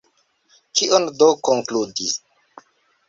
Kion do konkludi?